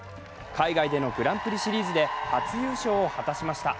海外でのグランプリシリーズで初優勝を果たしました。